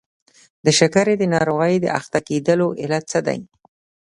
د شکرې په ناروغۍ د اخته کېدلو علت څه دی؟